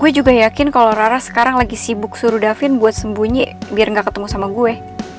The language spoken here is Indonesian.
gue juga yakin kalau rara sekarang lagi sibuk suruh davin buat sembunyi biar gak ketemu sama gue